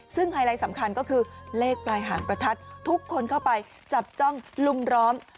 ซึ่งไฮไลท์สำคัญก็คือเลขปลายหางประทัดทุกคนเข้าไปจับจ้องลุมล้อม